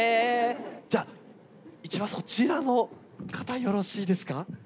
じゃあ一番そちらの方よろしいですか？